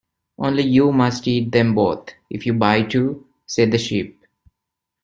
‘Only you must eat them both, if you buy two,’ said the Sheep.